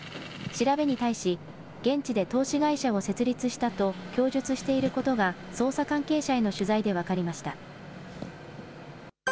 調べに対し、現地で投資会社を設立したと、供述していることが捜査関係者への取材で分かりました。